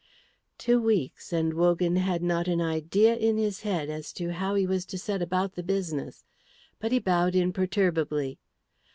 Two weeks, and Wogan had not an idea in his head as to how he was to set about the business. But he bowed imperturbably.